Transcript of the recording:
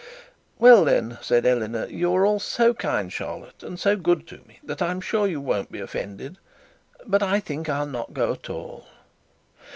'Well, then,' said Eleanor, 'you are all so kind, Charlotte, and so good to me, that I am sure you won't be offended; but I think I shall not go at all.'